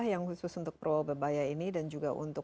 yang khusus untuk proba bayar ini dan juga untuk